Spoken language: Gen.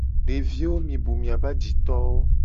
Deviwo mi bu miabe ajitowo.